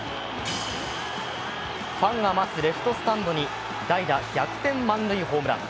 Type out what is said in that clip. ファンが待つレフトスタンドに代打逆転満塁ホームラン。